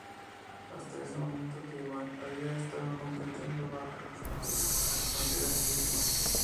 Hasta ese momento Taiwán había estado compitiendo bajo el mismo nombre, bandera e himno.